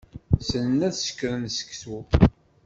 Ssnen ad sekren seksu.